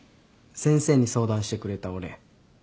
先生に相談してくれたお礼。